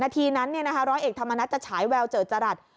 ทีนั้นเนี่ยนะฮะร้อยเอกธรรมนัดจะฉายแววเจิดจรัส